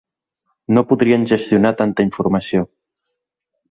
No podrien gestionar tanta informació.